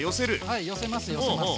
はい寄せます寄せます。